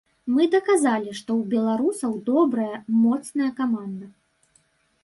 Мы даказалі, што ў беларусаў добрая, моцная каманда.